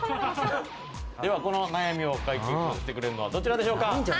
この悩みを解決してくれるのは、どちらでしょうか？